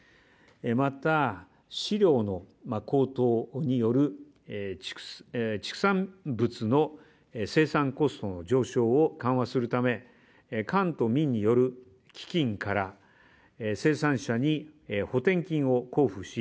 また、飼料の高騰による畜産物の生産コストの上昇を緩和するため、官と民による基金から、生産者に補てん金を交付し、